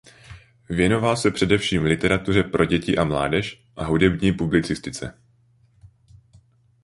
Věnoval se především literatuře pro děti a mládež a hudební publicistice.